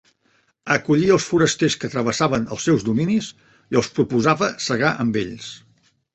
Acollia els forasters que travessaven els seus dominis i els proposava segar amb ells.